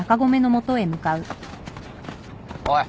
おい！